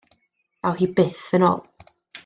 Ddaw hi byth yn ôl.